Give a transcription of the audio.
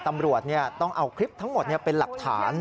ตำรวจต้องเอาคลิปทั้งหมดเป็นหลักฐาน